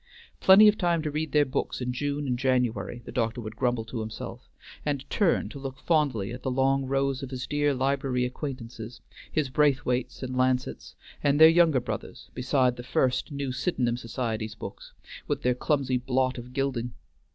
"Plenty of time to read their books in June and January," the doctor would grumble to himself, and turn to look fondly at the long rows of his dear library acquaintances, his Braithwaites and Lancets, and their younger brothers, beside the first new Sydenham Society's books, with their clumsy blot of gilding.